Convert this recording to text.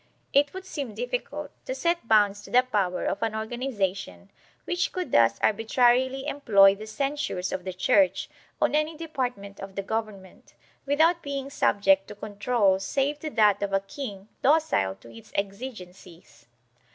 It would seem difficult to set bounds to the power of an organ ization which could thus arbitrarily employ the censures of the Church on any department of the government, without being subject to control save to that of a king docile to its exigencies.